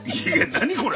何これ！